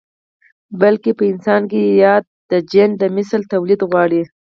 بلکې په انسان کې ياد جېن د مثل توليد غواړي.